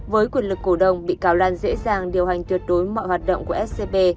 với quyền lực cổ đông bị cáo lan dễ dàng điều hành tuyệt đối mọi hoạt động của scb